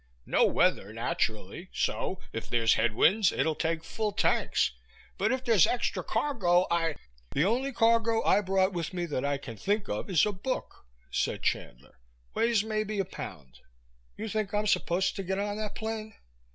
No weather, naturally. So if there's headwinds it'll take full tanks, but if there's extra cargo I " "The only cargo I brought with me that I can think of is a book," said Chandler. "Weighs maybe a pound. You think I'm supposed to get on that plane?"